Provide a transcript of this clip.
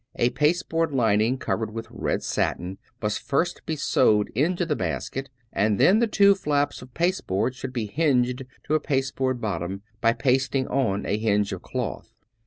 A pasteboard lining covered with red satin must first be sewed into the basket, and then two flaps of pasteboard should be hinged to a pasteboard bot tom by pasting on a hinge of cloth.